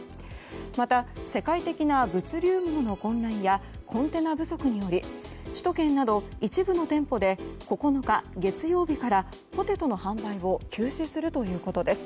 また、世界的な物流網の混乱やコンテナ不足により首都圏など一部の店舗で９日月曜日からポテトの販売を休止するということです。